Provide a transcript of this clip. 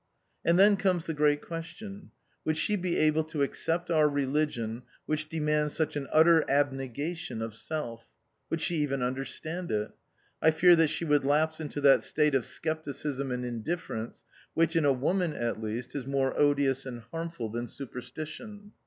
And then comes the great question, " Would she be able to accept our religion, which de mands such an utter abnegation of self? Would she even understand it ?': I fear that she would lapse into that state of scepticism and indifference which, in a woman at least, is more odious and harm ful than superstition.